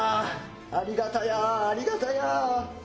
ありがたやありがたや。